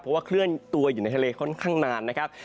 เพราะว่าเคลื่อนตัวอยู่ในทะเลค่อนข้างนานนะครับ